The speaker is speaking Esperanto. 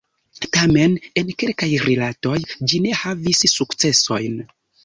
Tamen en kelkaj rilatoj ĝi ne havis sukcesojn.